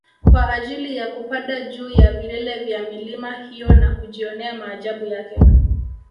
kwa ajili ya kupada juu ya vilele vya milima hiyo na kujionea maajabu yake